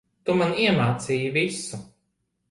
Tu, man iemācīji visu.